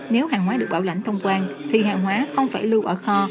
nếu hàng hóa được bảo lãnh thông quan thì hàng hóa không phải lưu ở kho